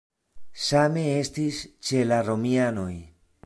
Same estis ĉe la romianoj.